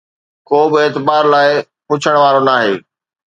ڪو به اعتبار لاءِ پڇڻ وارو ناهي.